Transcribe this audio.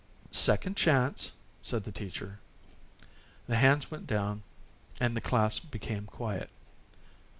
"Second chance," said the teacher. The hands went down and the class became quiet.